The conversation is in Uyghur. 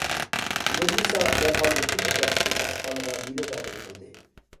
نۇرنىسا دەرھال يېقىن ئەتراپتىكى ساقچىخانىغا دېلو مەلۇم قىلدى.